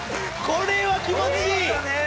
これは気持ちいいえ